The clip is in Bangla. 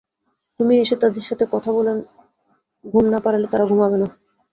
তুমি এসে তাদের সাথে কথা বলে ঘুম না পাড়ালে তারা ঘুমাবেনা।